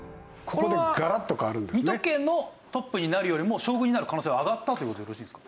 これは水戸家のトップになるよりも将軍になる可能性が上がったという事でよろしいですか？